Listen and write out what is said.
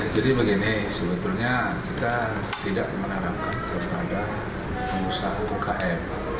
jadi begini sebetulnya kita tidak menarapkan kepada pengusaha ukm